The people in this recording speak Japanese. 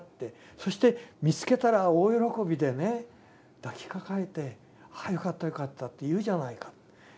そして見つけたら大喜びでね抱きかかえて「ああよかったよかった」って言うじゃないかって。